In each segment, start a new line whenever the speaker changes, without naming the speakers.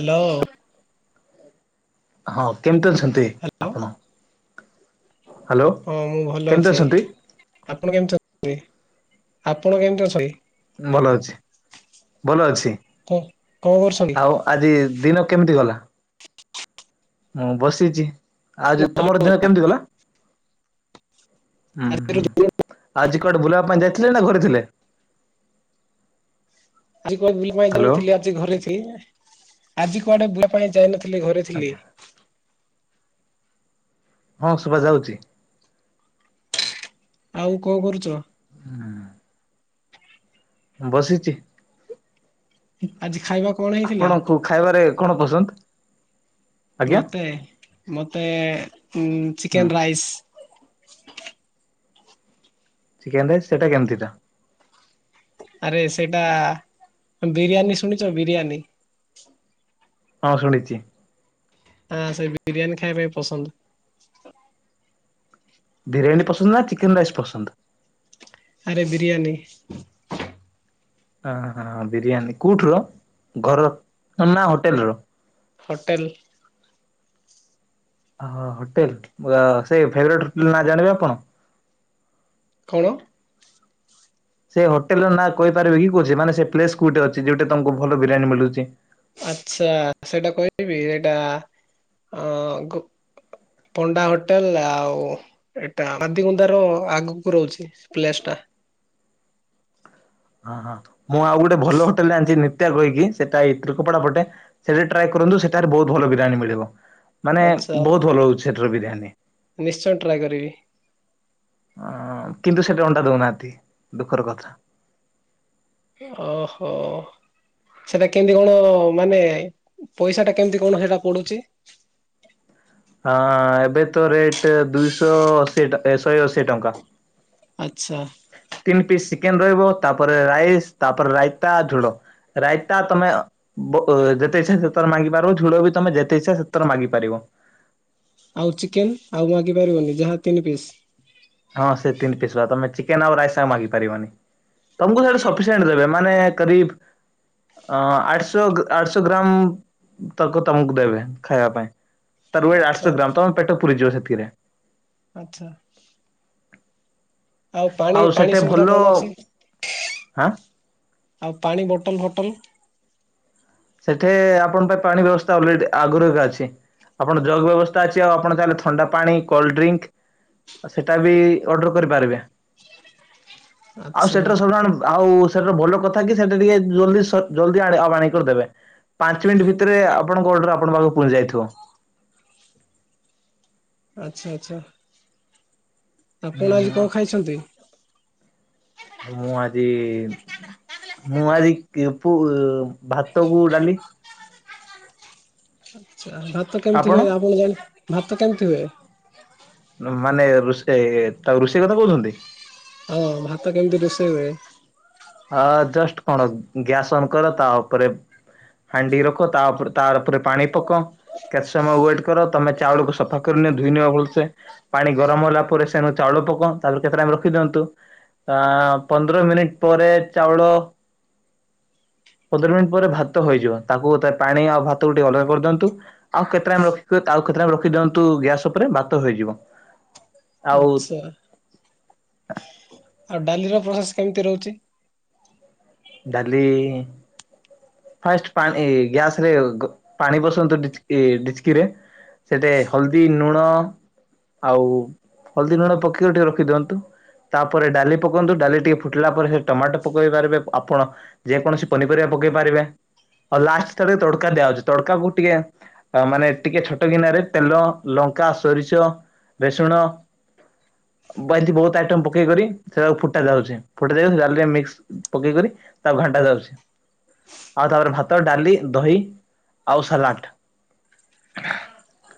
Hello!
ହଁ, କେମିତି ଅଛନ୍ତି
ହ୍ୟାଲୋ
ଆପଣ? ହ୍ୟାଲୋ
ହଁ, ମୁଁ ଭଲ
କେମିତି
ଅଛି।
ଅଛନ୍ତି?
ଆପଣ କେମିତି [inaudible] ଆପଣ କେମିତି ଅଛନ୍ତି?
ଭଲ ଅଛି, ଭଲ ଅଛି।
କଣ କଣ କରୁଛନ୍ତି?
ଆଉ ଆଜି ଦିନ କେମିତି ଗଲା? ମୁଁ ବସିଛି। ଆଉ, ଯେ ତମର ଦିନ କେମିତି ଗଲା?
ଆଜି
ଆଜି କୁଆଡେ ବୁଲିବା ପାଇଁ ଯାଇଥିଲେ ନା ଘରେ ଥିଲେ?
ଆଜି କୁଆ ବୁଲି ପାଇଁ ଯାଇ
ହ୍ୟାଲୋ
ନଥିଲି, ଆଜି ଘରେ ଥିଲି। ଆଜି କୁଆଡେ ବୁଲିବା ପାଇଁ ଯାଇନଥିଲି ଘରେ ଥିଲି।
ଆଜ୍ଞା ହଁ ଶୁଭାଯାଉଛି।
ଆଉ କ କରୁଚ?
ବସିଚି।
ଆଜି ଖାଇବା କଣ ହେଇଥିଲା?
ଆପଣଙ୍କୁ ଖାଇବାରେ କଣ ପସନ୍ଦ? ଆଜ୍ଞା
ମତେ, ମତେ-ଏ ଉଁ
ହୁଁ
ଚିକେନ୍ ରାଇସ୍!
ଚିକେନ୍ ରାଇସ୍ ସେଟା କେମିତିଟା?
ଆରେ ସେଇଟା ବିରିୟାନୀ ଶୁଣିଛ ବିରିୟାନୀ?
ହଁ ଶୁଣିଚି।
ଆଁ ସେ ବିରିୟାନୀ ଖାଇବା ପାଇଁ ପସନ୍ଦ।
ବିରିୟାନୀ ପସନ୍ଦ ନା, ଚିକେନ୍ ରାଇସ୍ ପସନ୍ଦ?
ଆରେ ବିରିୟାନୀ।
ଅ ହଁ ବିରିୟାନୀ, କୋଉଠି ର ଘର ନା ହୋଟେଲ୍ ର?
ହୋଟେଲ,
ଓ ହୋଟେଲ୍ ସେଇ ଫେବରେଟ୍ ହୋଟେଲ୍ ନାଁ ଜାଣିବେ ଆପଣ
କଣ?
ସେ ହୋଟେଲ୍ ର ନାଁ କହିପାରିବେ କି କହୁଛି ମାନେ ସେ ପ୍ଲେସ୍ କୁଟେ ଅଛି ଯୋଉଟେ ତମକୁ ଭଲ ବିରିୟାନୀ ମିଳୁଚି।
ଆଚ୍ଛା ସେଇଟା କହିବି ସେଇଟା ଅଁ ପଣ୍ଡା ହୋଟେଲ୍ ଆଉ ଏଟା ମାଦିକୁନ୍ଦା ର ଆଗକୁ ରହୁଛି ପ୍ଲେସ୍ ଟା,
ହ ହଁ ମୁଁ ଆଉ ଗୋଟେ ଭଲ ହୋଟେଲ୍ ଯାଣିଛି ନିତ୍ୟା କହିକି ସେଇଟା ଏଇ ଢିଲ୍ମପଡା ପଟେ, ସେଠି ଟ୍ରାଏ କରନ୍ତୁ ସେଠାରେ ବହୁତ୍ ଭଲ ବିରିୟାନୀ ମିଳିବ ମାନେ
ଆଚ୍ଛା
ବହୁତ ଭଲ ହଉଛି ସେଠାର ବିରିୟାନୀ
ନିଶ୍ଚୟ ଟ୍ରାଏ କରିବି।
ଅ କିନ୍ତୁ ସେଠେ ଅଣ୍ଡା ଦଉନାହାନ୍ତି ଦୁଃଖର କଥା,
ଓହୋ ସେଟା କେମିତି କଣ ମାନେ ପଇସା ଟା କେମିତି କଣ ହେଇଟା ପଡ଼ୁଛି
ହଁ ଏବେ ତ ରେଟ୍ ଦୁଇଶହ ଅଶୀ ଏ ଶହେ ଅଶୀ ଟଙ୍କା।
ଆଚ୍ଛା
ତିନି ପିସ୍ ଚିକେନ୍ ରହିବ ତାପରେ ରାଇସ୍ ତାପରେ ରାଇତା ଝୋଳ ରାଇତା ତମେ ବ ଯେତେ ଇଛା ସେତେଥର ମାଗି ପାରିବ ଝୁଳ ବି ତମେ ଯେତେ ଇ୍ଛାଇଚ୍ଛା ସେତର ମାଗି ପାରିବ।
ଆଉ ଚିକେନ୍ ଆଉ ମାଗି ପାରିବନି ଯାହା ତିନି ପିସ୍
ହଁ ସେ ତିନି ପିସ୍ ବା ତମେ ଚିକେନ୍ ଆଉ ରାଇସ୍ ଆ ମାଗିପାରିବନି, ତମକୁ ସେଠି ସଫିସିଣ୍ଟ ଦେବେ ମାନେ କ୍ରିବ୍ ଅ ଆଠଶ ଆଠଶହ ଗ୍ରାମ୍ ତକ ତମକୁ ଦେବେ ଖାଇବା ପାଇଁ, ତାର ୱେଟ
ଆଚ୍ଛା
ଆଠଶହ ଗ୍ରାମ୍ ତମ ପେଟ ପୁରିଯିବ ସେଥିରେ
ଆଚ୍ଛା, ଆଉ ପାଣି ପାଣି
ସେଠି ଭଲ
ସୁବିଧା କଣ ଅଛି,
ହାଁ
ଆଉ ପାଣି ବଟଲ୍ ଫଟଲ୍
ସେଠେ ଆପଣଙ୍କ ପାଇଁ ପାଣି ବ୍ୟବସ୍ଥା ଅଲରେଡି ଆଗରୁ ଏକା ଅଛି। ଆପଣ ଯଗ୍ ବ୍ୟବସ୍ଥା ଅଛି ଆଉ ଆପଣ ଚାହିଁଲେ ଥଣ୍ଡା ପାଣି କୋଲ୍ଡିଙ୍କ୍। ସେଟା ବି ଅର୍ଡର କରିପାରିବେ ଆଉ
ଆଚ୍ଛା
ସେଟର ସବୁ ଜଣ ଆଉ। ସେଟା ଭଲ କଥା କି ସେଟା ଟିକେ ଜଲଦି ଜଲଦି ଆ ଆଣି କରିଦେବେ। ପାଞ୍ଚ ମିନିଟ୍ ଭିତରେ ଆପଣଙ୍କ ଅର୍ଡର ଆପଣ ପାଖକୁ ପୁହଞ୍ଚି ଯାଇଥିବ।
ଆଚ୍ଛା ଆଚ୍ଛା ଆପଣ ଆଜି କଣ
ହୁଁ
ଖାଇଛନ୍ତି?
ମୁଁ ଆଜି ମୁଁ ଆଜି କୁ ଭାତ କୁ ଡାଲି।
ଆଚ୍ଛା ଭାତ କେମିତି ହୁଏ ଆପଣ ଜାଣି ଭାତ କେମିତି ହୁଏ?
ମାନେ ରୋଷେଇ ତାକୁ ରୋଷେଇ କଥା କହୁଚନ୍ତି।
ହଁ ଭାତ କେମିତି ରୋଷେଇ ହୁଏ।
ହଁ ଜଷ୍ଟ କଣ ଗ୍ୟାସ୍ ଅନ୍ କର ତା ଉପରେ ହାଣ୍ଡି ରଖ ତା ଉପ ଉପରେ ପାଣି ପକ କେତେ ସମୟ ୱେଟ୍ କର ତମେ ଚାଉଳକୁ ସଫା କରିନିଅ ଧୋଇନିଅ ଭଲ ସେ। ପାଣି ଗରମ ହେଲା ପରେ ସେନୁ ଚାଉଳ ପକ ତାପରେ କେତେ ଟାଇମ୍ ରଖିଦିଅନ୍ତୁ ଆଁ ପନ୍ଦର ମିନିଟ ପରେ ଚାଉଳ ପନ୍ଦର ମିନିଟ୍ ପରେ ଭାତ ହେଇଯିବ ତାକୁ ପାଣି ଆଉ ଭାତକୁ ଟିକେ ଅଲଗା କରିଦିଅନ୍ତୁ। ଆଉ କେତେ ଟାଇମ୍ ରଖି ଆଉ କେତେ ଟାଇମ୍ ରଖି ଦିଅନ୍ତୁ ଗ୍ୟାସ୍ ଉପରେ ଭାତ ହେଇଯିବ।
ଆଚ୍ଛା। ଆଉ ଡାଲି ର ପ୍ରୋସେସ୍ କେମିତି ରହୁଚି।
ଡାଲି ଫାଷ୍ଟ ପାଣି ଗ୍ୟାସରେ ପାଣି ବସନ୍ତୁ ଡିଚି ଡିଚ୍କିରେ। ସେଟେ ହଳଦୀ ନୁଣ ଆଉ ହଳଦୀ ଲୁଣ ପକେଇ ଟିକେ ରଖିଦିଅନ୍ତୁ। ତା ପରେ ଡାଲି ପକନ୍ତୁ ଡାଲି ଟିକେ ଫୁଟିଲା ପରେ ସେ ଟମାଟୋ ପକେଇ ପାରିବେ ଆପଣ ଯେକୌଣସି ପନିପରିବା ପକେଇ ପାରିବେ ଆଉ ଲାଷ୍ଟ ରେ ତଡ୍କାଟା ଦିଆହଉଚି ତଡ୍କାକୁ ଟିକେ ଆ ମାନେ ଟିକେ ଛୋଟ ଗିନାରେ ତେଲ ଲଙ୍କା ସୋରିଷ ରେସୁଣ [unintelligible] ବହୁତୁ ଆଇଟମ୍ ପକେଇ କରି ସେଟାକୁ ଫୁଟା ଯାଉଚି। ଫୁଟେଇ ଯାଇ ଦେଇ ଡିଲିରେ ମିକ୍ସ୍କ ପକେଇ କରି ତାକୁ ଘାଣ୍ଟା ଯାଉଚି। ଆଉ ତାପରେ ଭାତ ଡାଲି ଦହି ଆଉ ସାଲାଟ୍।
[unintelligible]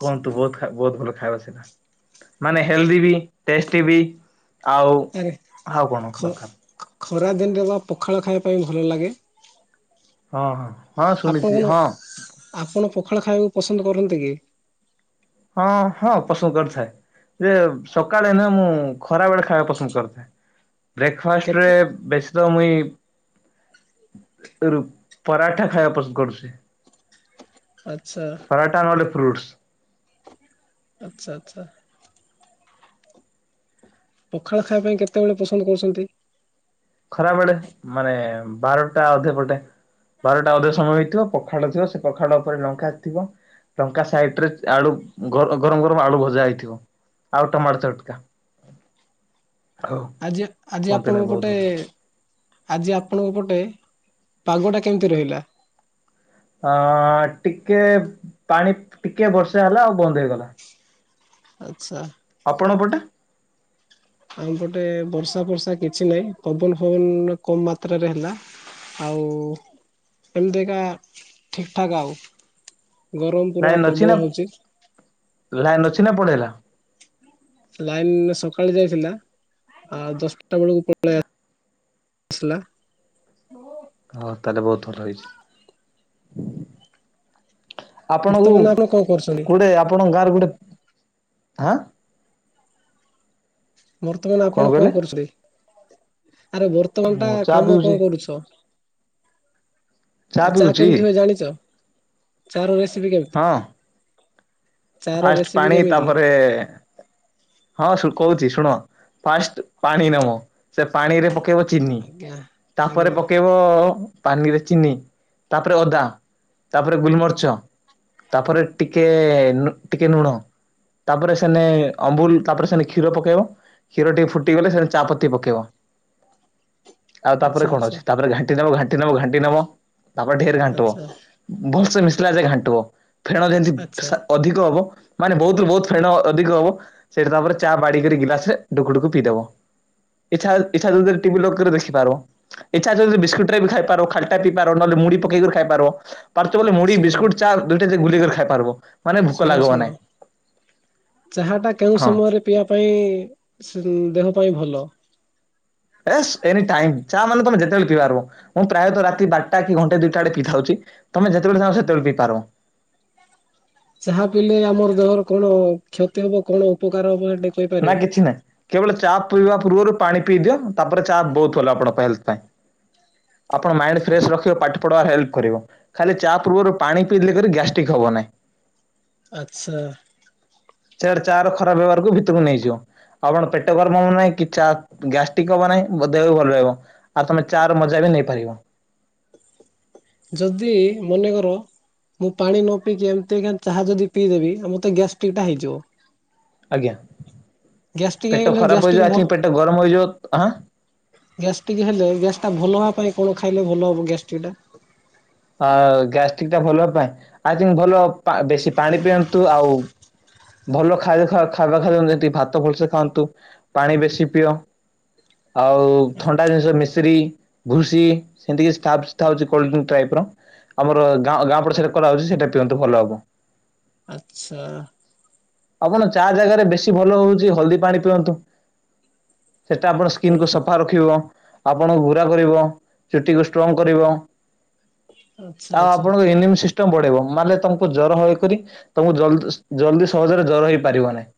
କୁହନ୍ତୁ ବହୁତ୍ ବହୁତ ଭଲ ଖାଇବା ସେଟା। ମାନେ ହେଲ୍ଦି ବି ଟେଷ୍ଟି ବି ଆଉ ଆଉ କଣ ଦରକାର।
ଖରାଦିନରେ ପା ପଖାଳ ଖାଇବା ପାଇଁ ଭଲ ଲାଗେ।
ହଁ। ହଁ
ଆପଣ
ଶୁଣିଛି
କଣ
ହଁ
ଆପଣ ପଖାଳ ଖାଇବାକୁ ପସନ୍ଦ କରନ୍ତି କି?
ହଁ ହଁ ପସଦ କରିଥାଏ। ଯେ ସକାଳେ ନୁହେଁ ମୁଁ ଖରା ବେଳେ ଖାଇବାକୁ ପସନ୍ଦ କରିଥାଏ। ବ୍ରେକଫାଷ୍ଟ ରେ
କେତେ
ବେଶୀ ତ ମୁଇଁ ରୁ ପରାଠା ଖାଇବା ପସନ୍ଦ କରୁଚି।
ଆଚ୍ଛା।
ପରାଠା ନେହେଲେ ଫ୍ରୁଟ୍ସ୍।
ଆଚ୍ଛା ଆଚ୍ଛା। ପଖାଳ ଖାଇବା ପାଇଁ କେତେବେଳେ ପସନ୍ଦ କରୁଚନ୍ତି?
ଖରାବେଳେ ମାନେ ବାରଟା ଅଧେ ପଟେ। ବାରଟା ଅଧ ସମୟ ହେଇଥିବ ପଖାଳ ଥିବ ସେ ପଖାଳ ଉପରେ ଲଙ୍କା ଥିବ ଲଙ୍କା ସାଇଟିରେ ଆଳୁ ଗର ଗରମ ଗରମ ଆଳୁ ଭଜା ହେଇଥିବ। ଆଉ ଟମାଟୋ ଚଟ୍କା।
ଆଜି ଆଜି
କୁହନ୍ତୁନି
ଆପଣଙ୍କ
ବହୁତ
ପଟେ
ଭଲ।
ଆଜି ଆପଣଙ୍କ ପଟେ ପାଗଟା କେମିତି ରହିଲା?
ଅଁ ଟିକେ ପାଣି ଟିକେ ବର୍ଷା ହେଲା ଆଉ ବନ୍ଦ ହେଇଗଲା।
ଆଚ୍ଛା।
ଆପଣ ପଟେ?
ଆମପଟେ ବର୍ଷା ଫର୍ଷା କିଛି ନାଇଁ ପବନ ଫବନ କମ୍ ମାତ୍ରାରେ ହେଲା। ଆଉ ଏମିତି କା ଠିକି ଠାକ୍ ଆଉ। ଗରମ ପୁରା
ଲାଇନି ଅଛି
ପ୍ରବଳ
ନା
ହଉଛି
ଲାଇନି ଅଛି ନା ପଳେଇଲା?
ଲାଇନି ସକାଳେ ଯାଇଥିଲା ଆଉ ଦଶଟା ବେଳକୁ ପଳେଇ ଆସିଲା।
ହଁ ତାହେଲେ ବହୁତୁ ଭଲ ହେଇଚି। ଆପଣଙ୍କୁ
ବର୍ତ୍ତମାନ ଆପଣ କଣ କରୁଛନ୍ତି?
ଗୋଟେ ଆପଣଙ୍କ ଗାଁ ରେ ଗୋଟେ ହାଁ
ବର୍ତ୍ତମାନ ଆପଣ କଣ କରୁଥିଲେ ଆରେ ବ ବର୍ତମାନ ଟା
ମୁଁ ଚା
କାମ
ପିଉଛି।
କଣ କରୁଛ? ଆ ଚା କେମିତି ହୁଏ ଜାଣିଚ ଚା ର ରେସିପି କେମିତି?
ହଁ
ଚା ର ରେସିପି କେମିତି?
ସେ ହଁ ଶୁଳ୍ କହୁଛି ଶୁଣ, ଫାଷ୍ଟ ପାଣି ନମ, ସେ ପାଣିରେ ପ ପକେଇବ ଚିନି,
ଆଜ୍ଞା
ତାପରେ
ଆଜ୍ଞା
ପକେଇବ [unintelligible] ପାନିରେ ଚିନି, ତାପରେ ଅଦା, ତାପରେ ଗୁଲମରିଚ। ତାପରେ ଟିକେ ନୁ ଟିକେ ନୁଣ, ତାପରେ ସେନେ ଅମ୍ବୁଲ ତାପରେ ସେନେ କ୍ଷୀର ପକେଇବ, କ୍ଷୀର ଟିକେ ଫୁଟିଗଲେ ସେନେ ଚାପତି ପକେଇବ। ଆଉ ତାପରେ
ଆଚ୍ଛା
କଣ
ଆଚ୍ଛା
ଅଛି ତାପରେ ଘାଣ୍ଟି ଦବ, ଘାଣ୍ଟି ନବ, ଘାଣ୍ଟି ନବ, ତାପରେ ଢେର ଘାଣ୍ଟିବ।
ଆଚ୍ଛା
ଭଲସେ ମିଶିଲା ଯାଏ ଘାଣ୍ଟିବ, ଫେଣ ଯେନ୍ତି
ଆଚ୍ଛା
ସା ଅଧିକ ହବ। ମାନେ ବହୁତ ବହୁତ ଫେଣ ଅଧିକ ହବ, ସେଇଠି ତାପରେ ଚା ବାଡିିକିରି ଗିଲାସେ ଢୁକୁଢୁକୁ ପିଇଦବ। ଇଚ୍ଛା, ଇଚ୍ଛା ଯଦି ଟିଭି ଲକ୍ କରି ଦେଖିପାର। ଇଚ୍ଛା ଯଦି ବିସ୍କୁଟରେ ବି ଖାଇପାର, ଖାଲଟା ପିଇ ପାର, ନହଲେ ମୁଡି ପକେଇକି ଖାଇପାରିବ। ପାରୁଚ ବୋଲି ମୁଢି,
ଶୁଣ
ବିସ୍କୁଟ, ଚା ଦୁଇଟା ଯାକ ଗୁଲିିକରି ଖାଇ ପାରିବ।
ଶୁଣ ଶୁଣ, ଚାହାଟା କେଉଁ
ହଁ।
ସମୟରେ ପିଇବା ପାଇଁ ଦେହ ପାଇଁ ଭଲ।
ଏସ୍ ଏନି ଟାଇମ୍ ଚା ମାନେ ତମେ ଯେତେବେଳେ ପିଇପାରବ। ମୁଁ ପ୍ରାୟତଃ ରାତି ବାରଟା କି ଘଣ୍ଟେ ଦୁଇଟା ଆଡ଼େ କି ଥାଉଛି, ତମେ ଯେତେବେଳେ ଚାହଁ ସେତେବେଳେ ପିଇପାରବ।
ଚାହା ପିଇଲେ ଆମର ଦେହର କଣ କ୍ଷତି ହବ କଣ ଉପକାର ହବ [unintelligible]
ନା କିଛି ନାହିଁ କେବଳ ଚା ପିଇବା ପୂର୍ବରୁ ପାଣି ପିଇ ଦିଅ ତାପରେ ଚା ବହୁତ ଭଲ ଆପଣଙ୍କ ହେଲ୍ଥ ପାଇଁ। ଆପଣ ମାଇଣ୍ଡ ଫ୍ରେସ୍ ରଖିବ ପାଠ ପଢ଼ବା ହେଲ୍ପ କରିବ। ଖାଲି ଚା ପୂର୍ବରୁ ପାଣି ପିଇଦେଲେ କରି ଗ୍ୟାଷ୍ଟ୍ରିକ୍ ହବ ନାହିଁ।
ଆଚ୍ଛା।
ସେଆଡ଼ ଚାର ଖରାପ ବ୍ୟବହାରକୁ ଭିତରକୁ ନେଇଯିବ। ଆପଣ ପେଟ ଗରମ ହବ ନାହିଁ କି ଚା ଗ୍ୟାଷ୍ଟିକ ହବ ନାହିଁ ଓ ଦେହବି ଭଲ ରହିବ। ଆଉ ତମେ ଚାର ମଜା ବି ନେଇପାରିବ।
ଯଦି ମନେକର ମୁଁ ପାଣି ନ ପିଇକି ଏମିତିଙ୍କା ଚାହା ଯଦି ପିଇଦେବି ମତେ ଗ୍ୟାଷ୍ଟିକଟା ହେଇଯିବ।
ଆଜ୍ଞା
ଗ୍ୟାଷ୍ଟ୍ରିକ୍
ପେଟ
ହେଇଗଲେ
ଖରାପ ହୋଇଯିବ,
ଗ୍ୟାଷ୍ଟ୍ରିକ୍
ଆଇ
ଭଲ
ଥୀଙ୍କ ପେଟ ଗରମ ହୋଇଯିବ, ହାଁ
ଗ୍ୟାଷ୍ଟିକ ହେଲେ ଗ୍ୟାସଟା ଭଲ ହେବା ପାଇଁ କଣ ଖାଇଲେ ଭଲ ହବ ଗ୍ୟାଷ୍ଟିକଟା।
ଅ ଗ୍ୟାଷ୍ଟ୍ରିକଟା ଭଲ ପାଇଁ, ଆଇ ଥୀଙ୍କ ଭଲ ପା ବେଶୀ ପାଣି ପିଅନ୍ତୁ ଆଉ ଭଲ ଖାଇବା [unintelligible] ଯେତିକି ଭାତ ଭଲସେ ଖାଆନ୍ତୁ। ପାଣି ବେଶି ପିଅ। ଆଉ ଥଣ୍ଡା ଜିନିଷ ମିଶ୍ରି, ଘୁସି, ସେମତି କି ଷ୍ଟାବସ୍ତା ହଉଛି କୋଲଡ୍ରିଙ୍କ ଟାଇପର। ଆମର ଗାଁଅ, ଗାଁ ପଟ ସାଇଡ଼ରେ କରାହାଉଛି ସେଟା ପିଅନ୍ତୁ ଭଲ ହବ।
ଆଚ୍ଛା।
ଆପଣ ଚା ଜାଗାରେ ବେଶୀ ଭଲ ହଉଛି ହଳଦୀ ପାଣି ପିଅନ୍ତୁ, ସେଟା ଆପଣ
ହଉ
ସ୍କିନକୁ ସ ସଫା ରଖିବ, ଆପଣଙ୍କୁ ଗୁରା କରିବ, ଚୁଟିକୁ ଷ୍ଟ୍ରଙ୍ଗ କରିବ।
ଆଚ୍ଛା
ଆଉ
ଆଚ୍ଛା
ଆପଣଙ୍କ ଏନିମି ସିସ୍ ଷ୍ଟମ୍ ବଢେଇବ ମାଲେ ତମକୁ ଜର ମଇ କରି ତମକୁ ଜଲ୍ଦିସ୍ ଜଲ୍ଦି ସହଜରେ ଜର ହେଇପାରିବ ନାହିଁ।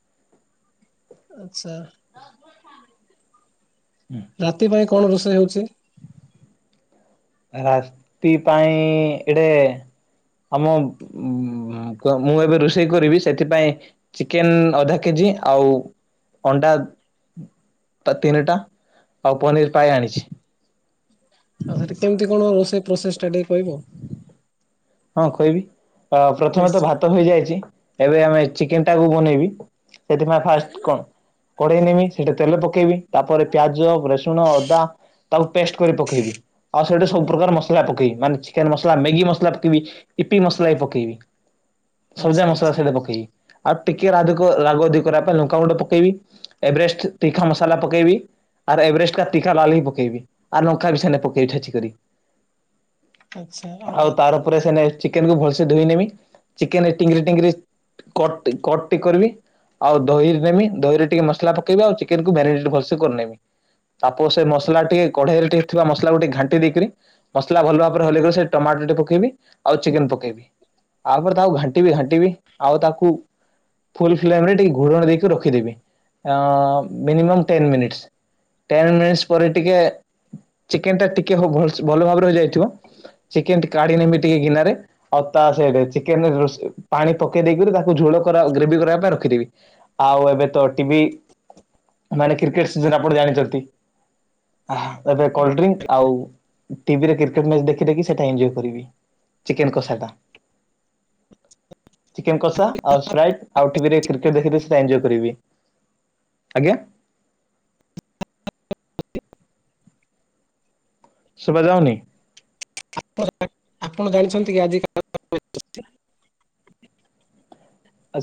ଆଚ୍ଛା [unintelligible]
ହୁଁ
ରାତି ପାଇଁ କଣ ରୋଷେଇ ହେଉଛି?
ରାତି ପାଇଁ ଏଇଟେ ଆମ, ଉଁ ମୁଁ ଏବେ ରୋଷେଇ କରିବି ସେଥିପାଇଁ ଚିକେନ୍ ଅଧା କେଜି ଆଉ ଅଣ୍ଡା ତ ତିନିଟା ଆଉ ପନିର୍ ପାଇଁ ଆଣିଛି।
ଆଉ ସେଠି କେମିତି କଣ ରୋଷେଇ ପ୍ରୋସେସଟା ଟିକେ କହିବ।
ହଁ କହିବି ପ୍ରଥମେ ତ
ନିଶ୍ଚୟ
ଭାତ ହେଇଯାଇଛି ଏବେ ଆମେ ଚିକେନ ଟାକୁ ବନେଇବି ସେଥିପାଇଁ ଫାଷ୍ଟ କଣ? କଢେଇ ନେବି ସେଇଠେ ତେଲ ପକେଇବି ତାପରେ ପିଆଜ ରସୁଣ ଅଦା ତାକୁ ପେଷ୍ଟ କରି ପକେଇବି ଆଉ ସେଇଠି ସବୁ ପ୍ରକାର ମସଲା ପକେଇବି ମାନେ ଚିକେନ ମସଲା ମ୍ୟାଗି ମସଲା ପକେଇବି ଇପି ମସଲା ବି ପକେଇବି ସବୁ
ଆଚ୍ଛା
ଯାକ ମସଲା
ଆଚ୍ଛା
ସେଇଠେ ପକେଇବି ଆଉ ଟିକେ ରାଧ ରାଗ ଅଧିକ କରିବା ପାଇଁ ଲଙ୍କା ଗୁଣ୍ଡ ପକେଇବି ଏଭରେଷ୍ଟ ତିଖା ମସଲା ପକେଇବି ଆର୍ ଏଭରେଷ୍ଟ ତିଖା ଲାଲ ହି ପକେଇବି ଆଉ ଲଙ୍କା ବି ସେନେ ପକେଇବି ଛେଚିି କରି ଆଉ ତାର ଚିକେନ କୁ ଭଲସ ଧୋଇ ନେମି ଚିକେନ ରେ ଟିଙ୍ଗିରି ଟିଙ୍ଗିରି କଟ କଟି କରିବି ଆଉ ଦହି ନେମି ଦହିରେ ଟିକେ ମସଲା ପକେଇି ଆଉ ଚିକେ ନକୁୁ ଭେରାଇଟି ଭଲସେ କରିନେବି ତାପରେ ସେ ମସଲା ଟିକେ କଢେଇରେ ଟିକେ ଥିବା ମସଲା ଗକୁ ଟିକେ ଘାଣ୍ଟି ଦେଇକରି ମସଲା ଭଲ ଭାବରେ ହେଲେକଲେ ସେ ଟମାଟରଟଟି ପକାଇବି ଆଉ ଚିକେନ ପକେଇବି ତାପରେ ତାକୁ ଘାଣ୍ଟିବି ଘାଣ୍ଟିବି ଆଉ ତାକୁ [inaudible] ଟିକ ଘଣ ଦେଇକି ରଖିଦେବିିମି minimum ten minutes ten minutes ପରେ ଟିକେ ଚିକେନ ଟା ଟିକେ ଭଲ ଭାବ ରେ ହେଯାଇ ଥିବ ଚେକେନ କାଢ଼ି ନେମି ଟିକେ ଗିନାରେ ଆଉ ତା ସହିତ ଚିକେନରେ ରୋ ପାଣି ପକେଇ ଦେଇକରି ତାକୁ ଝୋଳ ଗ୍ରେଭି କରିବା ପାଇଁ ରଖିଦବି ଆଉ ଏବେ ତ ଟିଭି ମାନେ କ୍ରିକେଟ ସିଜନ ଆପଣ ଜାଣିଛନ୍ତି ଏବେ କୋଲଡ ଡ୍ରି ଆଉ ଟିଭିରେ କ୍ରିକେଟ ମ୍ୟାଚ ଦେଖି ଦେଖି ସେଇଟା ଏଞୟ କରିବି। ଚିକେନ କସା ଟା ଚିକେନ୍ କଷା ଆଉ ସ୍ପ୍ରାଇଟ ଆଉ ଟିଭିରେ କ୍ରିକେଟ୍ ଦେଖିକି ସେଇଟା ଏଞୟ କରିବି। ଆଜ୍ଞା। ଶୁଭା ଯାଉନି?
ଆ ଆପଣ ଜାଣିଛନ୍ତି କି ଆଜି କାଲି [inaudible]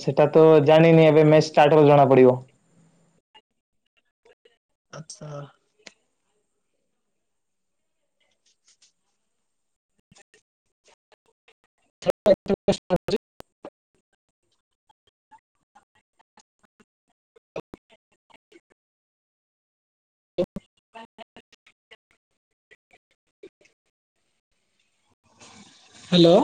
ସେଟା ତ ଜାଣିନି ଏବେ ମ୍ୟାଚ ଷ୍ଟାର୍ଟକୁ ଜଣା ପଡିବ।
ଆଛା। [inaudible] [inaudible] ହ୍ୟାଲୋ।